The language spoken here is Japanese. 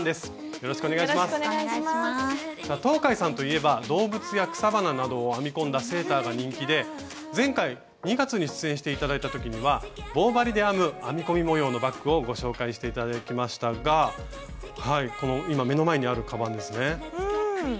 東海さんといえば動物や草花などを編み込んだセーターが人気で前回２月に出演して頂いた時には棒針で編む編み込み模様のバッグをご紹介して頂きましたがこの今目の前にあるカバンですね。